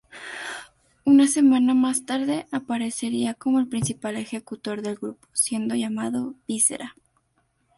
Una semana más tarde aparecería como el principal ejecutor del grupo, siendo llamado Viscera.